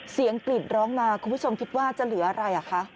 เสียงกลิ่นร้องมาคุณผู้ชมคิดว่าจะเหลืออะไรอ่ะคะ